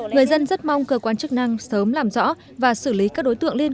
người dân rất mong cơ quan chức năng sớm làm rõ và xử lý các đối tượng liên